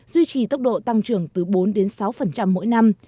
duy trì tốc độ tăng trưởng từ bốn sáu mỗi năm